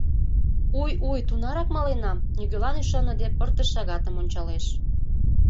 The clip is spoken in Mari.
— Уй-уй, тунарак маленам? — нигӧлан ӱшаныде, пырдыж шагатым ончалеш.